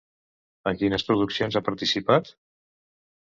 En quines produccions ha participat?